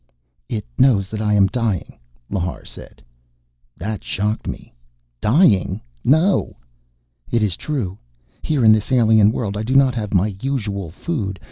"It knows that I am dying," Lhar said. That shocked me. "Dying? No!" "It is true. Here in this alien world I do not have my usual food.